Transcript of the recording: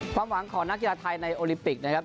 ความหวังของนักกีฬาไทยในโอลิมปิกนะครับ